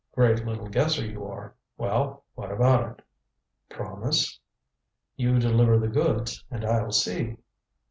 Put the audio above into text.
"Great little guesser, you are. Well what about it?" "Promise?" "You deliver the goods, and I'll see."